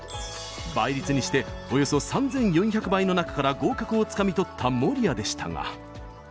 倍率にしておよそ３４００倍の中から合格をつかみ取った守屋でしたが。